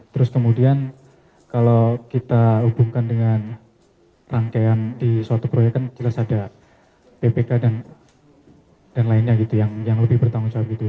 terus kemudian kalau kita hubungkan dengan rangkaian di suatu proyek kan jelas ada bpk dan lainnya gitu yang lebih bertanggung jawab gitu